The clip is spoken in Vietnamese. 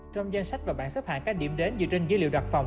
trong danh sách và bản xếp hạng các điểm đến dựa trên dữ liệu đặt phòng